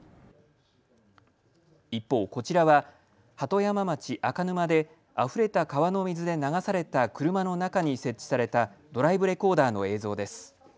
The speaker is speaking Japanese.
一方、こちらは鳩山町赤沼であふれた川の水で流された車の中に設置されたドライブレコーダーの映像です。